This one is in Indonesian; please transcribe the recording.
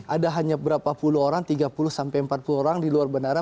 ada hanya berapa puluh orang tiga puluh sampai empat puluh orang di luar bandara